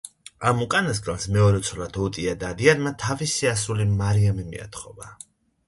ამ უკანასკნელს მეორე ცოლად ოტია დადიანმა თავისი ასული მარიამი მიათხოვა.